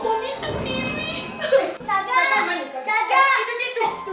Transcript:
pakai uang momi sendiri